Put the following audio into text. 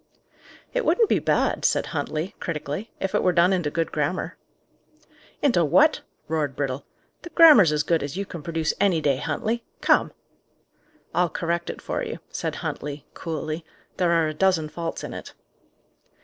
"It wouldn't be bad," said Huntley, critically, "if it were done into good grammar." "Into what?" roared Brittle. "The grammar's as good as you can produce any day, Huntley. Come!" "I'll correct it for you," said Huntley, coolly. "There are a dozen faults in it."